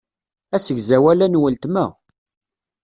Asegzawal-a n weltma.